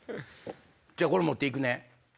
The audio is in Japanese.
じゃあこれ持って行くね。